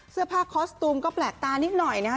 เสื้อผ้าคอสตูมก็แปลกตานิดหน่อยนะคะ